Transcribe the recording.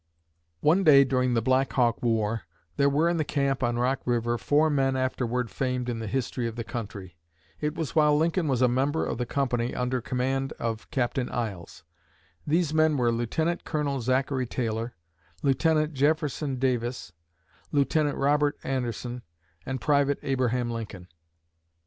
One day during the Black Hawk War there were in the camp on Rock river four men afterward famed in the history of the country. It was while Lincoln was a member of the company under command of Captain Iles. These men were Lieutenant Colonel Zachary Taylor, Lieutenant Jefferson Davis, Lieutenant Robert Anderson, and Private Abraham Lincoln.